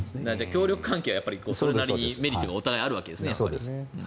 協力関係はそれなりにメリットがお互いにあるわけですね。